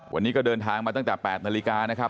วันนี้ก็เดินทางมาตั้งแต่๘นาฬิกานะครับ